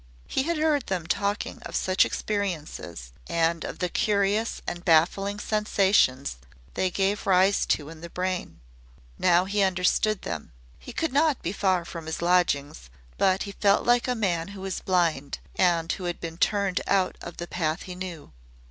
He had heard them talking of such experiences, and of the curious and baffling sensations they gave rise to in the brain. Now he understood them. He could not be far from his lodgings, but he felt like a man who was blind, and who had been turned out of the path he knew.